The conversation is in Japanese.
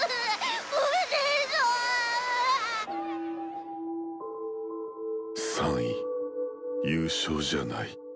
心の声３位優勝じゃない。